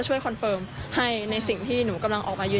มีเปอร์ของต่างได้